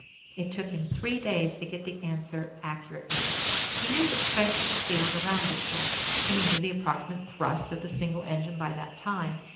It took him three days to get the answer accurately. He knew the strength of the field around the ship, and he knew the approximate thrust of the single engine by that time.